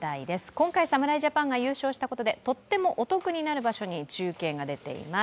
今回侍ジャパンが優勝したことで、とってもお得になる場所に中継が出ています。